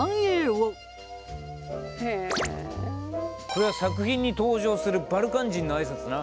これは作品に登場するバルカン人のあいさつな。